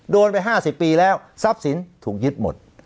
โดนไป๕๐ปีแล้วทรัพย์สินถูกยึดหมด